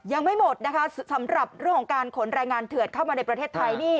ยังไม่หมดนะคะสำหรับเรื่องของการขนแรงงานเถื่อนเข้ามาในประเทศไทยนี่